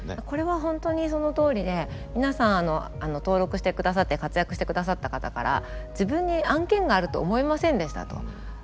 これは本当にそのとおりで皆さん登録してくださって活躍してくださった方から自分に案件があると思いませんでしたと。